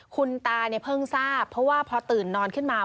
คุณตาเนี่ยเพิ่งทราบเพราะว่าพอตื่นนอนขึ้นมา